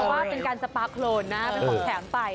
ว่าเป็นการสปาโครนนะเป็นของแถมไป